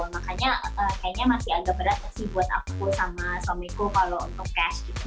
makanya kayaknya masih agak berat sih buat aku sama suamiku kalau untuk cash gitu